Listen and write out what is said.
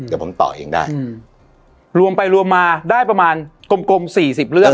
เดี๋ยวผมต่อเองได้อืมรวมไปรวมมาได้ประมาณกลมกลมสี่สิบเรื่อง